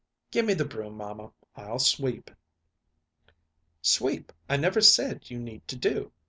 "Gimme the broom, mamma. I'll sweep." "Sweep I never said you need to do.